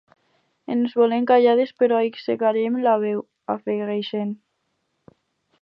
“Ens volen callades, però aixecarem la veu!”, afegeixen.